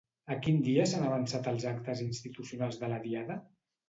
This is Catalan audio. A quin dia s'han avançat els actes institucionals de la Diada?